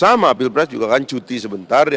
sama pilpres juga kan cuti sebentar